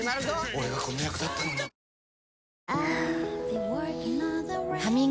俺がこの役だったのに雨。